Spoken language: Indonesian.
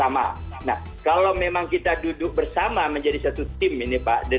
nah kalau memang kita duduk bersama menjadi satu tim ini pak